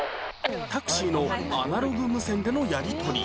タクシーのアナログ無線でのやり取り